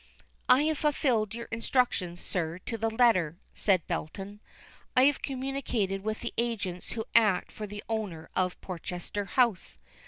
"I have fulfilled your instructions, sir, to the letter," said Belton. "I have communicated with the agents who act for the owner of Portchester House.